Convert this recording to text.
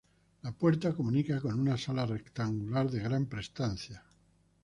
La puerta comunica con una sala rectangular de gran prestancia.